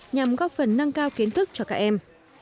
nhằm góp phần nâng cao kiến thức cho các em